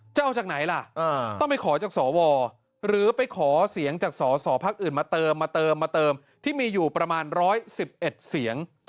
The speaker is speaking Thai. จะเอาจากไหนล่ะต้องไปขอจากสวหรือไปขอเสียงจากสภอื่นมาเติมที่มีอยู่ประมาณ๑๑๑เสียง